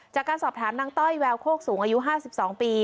จากการสอบถามนางต้อยแววโคกสูงอายุ๕๒ปี